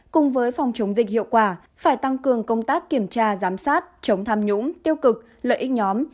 cùng với phòng chống dịch hiệu quả phải tăng cường công tác kiểm tra giám sát chống tham nhũng tiêu cực lợi ích nhóm